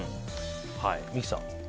三木さん。